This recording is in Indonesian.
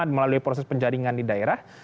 dan membuat proses penjaringan di daerah